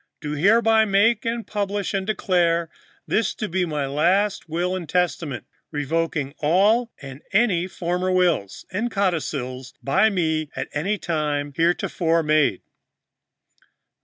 do hereby make, publish and declare this to be my last Will and Testament, revoking any and all former wills and codicils by me at any time heretofore made.'"